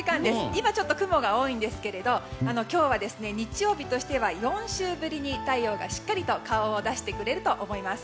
今、ちょっと雲が多いんですけど今日は日曜日としては４週ぶりに太陽がしっかり顔を出してくれると思います。